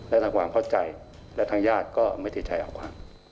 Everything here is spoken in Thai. และทางความเข้าใจและทางญาติก็ไม่ติดใจเอาความ